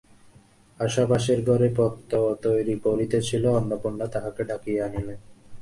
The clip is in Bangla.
আশা পাশের ঘরে পথ্য তৈরি করিতেছিল–অন্নপূর্ণা তাহাকে ডাকিয়া আনিলেন।